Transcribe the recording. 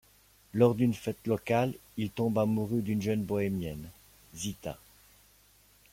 Lors d'une fête locale, il tombe amoureux d'une jeune bohémienne, Zita.